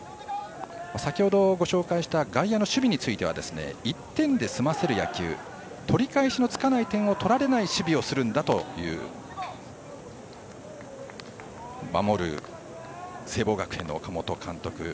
先ほどご紹介した外野の守備については１点で済ませる野球取り返しのつかない点を取られない野球をするんだと守る聖望学園の岡本監督。